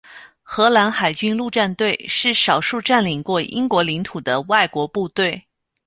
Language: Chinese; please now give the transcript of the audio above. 荷兰海军陆战队是少数占领过英国领土的外国部队。